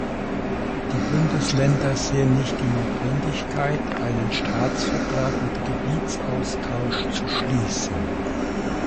Die Bundesländer sehen nicht die Notwendigkeit, einen Staatsvertrag mit Gebietsaustausch zu schließen.